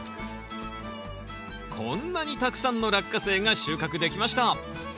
こんなにたくさんのラッカセイが収穫できました！